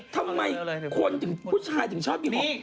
ทำไมคนอยู่ผู้ชายจะชอบมีหอม